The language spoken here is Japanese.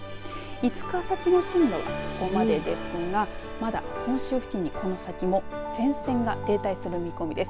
５日先の進路がここまでですがまだ本州付近にこの先も前線が停滞する見込みです。